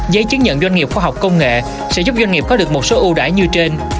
giấy chứng nhận doanh nghiệp khoa học công nghệ sẽ giúp doanh nghiệp có được một số ưu đãi như trên